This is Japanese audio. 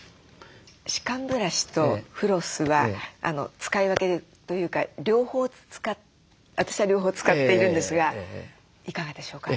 歯間ブラシとフロスは使い分けというか私は両方使っているんですがいかがでしょうか？